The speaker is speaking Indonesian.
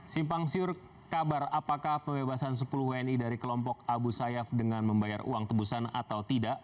simpang siur kabar apakah pembebasan sepuluh wni dari kelompok abu sayyaf dengan membayar uang tebusan atau tidak